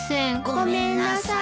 ごめんなさい。